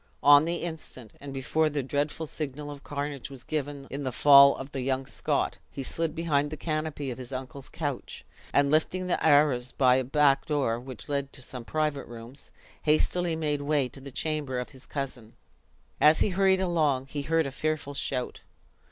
On the instant, and before the dreadful signal of carnage was given in the fall of the young Scot, he slid behind the canopy of his uncle's couch; and lifting the arras by a back door which led to some private rooms, hastily made way to the chamber of his cousin. As he hurried along, he heard a fearful shout.